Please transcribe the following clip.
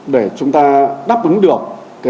để chúng ta đáp ứng được